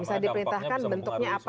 misalnya diperintahkan bentuknya apa